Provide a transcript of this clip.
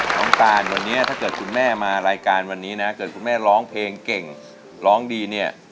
ตานวันนี้ถ้าเกิดคุณแม่มารายการวันนี้นะเกิดคุณแม่ร้องเพลงเก่งร้องดีเนี่ย